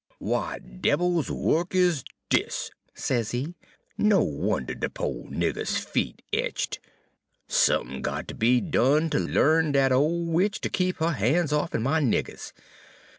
"'Wat debil's wuk is dis?' sezee. 'No wonder de po' nigger's feet eetched. Sump'n got ter be done ter l'arn dat ole witch ter keep her han's off'n my niggers.